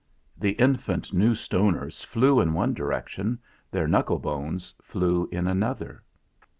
The infant New Stoners flew in one direction; their knuckle bones flew in another.